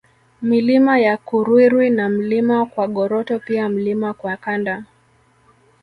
Milima ya Kurwirwi na Mlima Kwagoroto pia Mlima Kwakanda